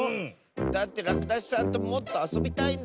だってらくだしさんともっとあそびたいんだもん！